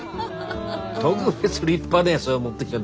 特別立派なやづを持ってきたんで。